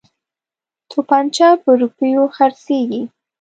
توپنچه په روپیو خرڅیږي.